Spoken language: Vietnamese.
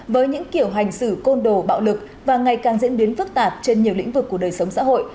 với những kiểu hành xử côn đồ bạo lực và ngày càng diễn biến phức tạp trên nhiều lĩnh vực của đời sống xã hội